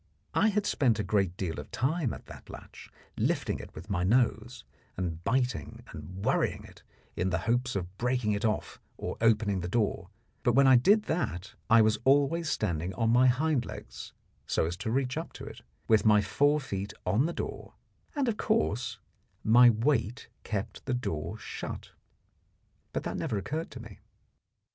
I had spent a great deal of time at that latch, lifting it with my nose, and biting and worrying it, in the hopes of breaking it off or opening the door; but when I did that I was always standing on my hind legs, so as to reach up to it, with my fore feet on the door, and, of course, my weight kept the door shut. But that never occurred to me.